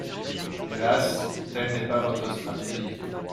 Hélas, telle n’est pas votre stratégie.